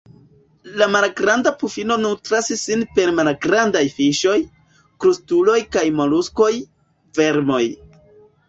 La Malgranda pufino nutras sin per malgrandaj fiŝoj, krustuloj kaj moluskoj, vermoj.